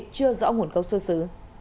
chưa rõ nguồn gốc xuất xứ